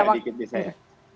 boleh dikit nih saya